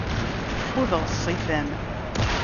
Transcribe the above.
Ffudeɣ ṣṣifa-m.